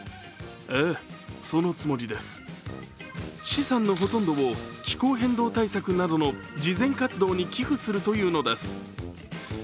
資産のほとんどを気候変動対策などの慈善活動に寄付するというのです。